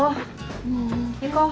もう。